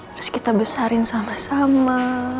terus kita besarin sama sama